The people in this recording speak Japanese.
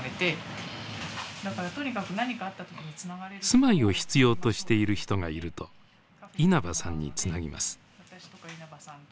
住まいを必要としている人がいると稲葉さんにつなぎます。